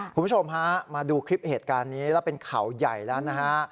คุณผู้ชมฮะมาดูคลิปเหตุการณ์นี้แล้วเป็นข่าวใหญ่แล้วนะฮะ